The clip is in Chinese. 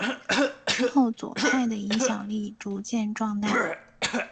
之后左派的影响力逐渐壮大。